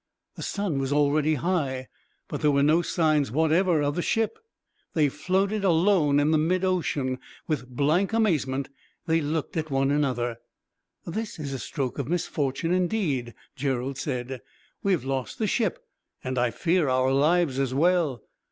The sun was already high, but there were no signs whatever of the ship; they floated, alone, in the mid ocean. With blank amazement they looked at each other. "This is a stroke of misfortune, indeed," Gerald said. "We have lost the ship, and I fear our lives, as well.